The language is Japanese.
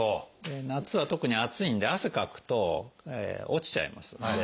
夏は特に暑いんで汗かくと落ちちゃいますんで効果が。